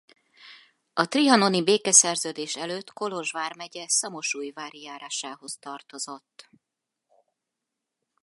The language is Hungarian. A trianoni békeszerződés előtt Kolozs vármegye Szamosújvári járásához tartozott.